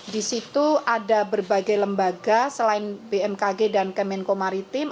di situ ada berbagai lembaga selain bmkg dan kemenko maritim